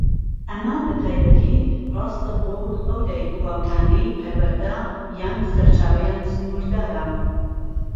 ئەمە بەتایبەتی ڕاستە بۆ ئەو دایک و باوکانەی پەروەردە یان سەرچاوەیان سنوردارە.